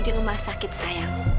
di rumah sakit sayang